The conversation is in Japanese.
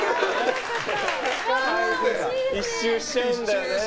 １周しちゃうんだよね。